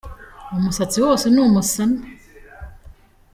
Umusatsi wose ni umusana